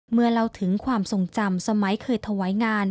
เมื่อเล่าถึงความทรงจำสมัยเคยถวายงาน